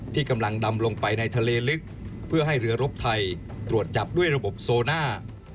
ที่กำลังดำลงไปในทะเลลึกเพื่อให้เรือรบไทยตรวจจับด้วยระบบโซน่า